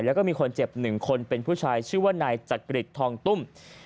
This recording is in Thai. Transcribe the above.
แล้วก็มีคนเจ็บ๑คนเป็นผู้ชายชื่อว่านายจักริจทองตุ้ม